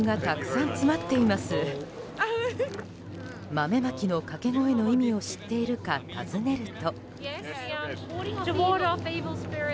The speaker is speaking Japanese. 豆まきの掛け声の意味を知っているか尋ねると。